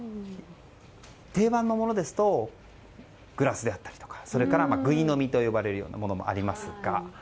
定番のものですとグラスであったりとかそれから、ぐい飲みと呼ばれるようなものもありますが。